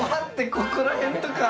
ここら辺とか。